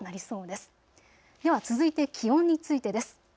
では続いて気温についてです。